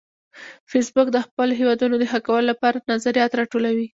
فېسبوک د خپلو هیوادونو د ښه کولو لپاره نظریات راټولوي